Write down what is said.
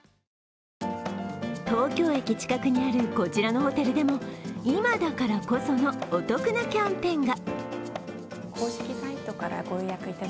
東京駅近くにあるこちらのホテルでも、今だからこそのお得なキャンペーンが。